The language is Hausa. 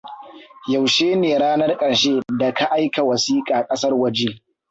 Yaushe ne ranar ƙarshe da ka aika wasiƙa ƙasar waje?